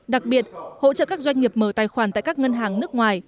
đặc biệt hỗ trợ các doanh nghiệp mở tài khoản tại các ngân hàng nước ngoài